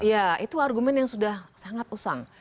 ya itu argumen yang sudah sangat usang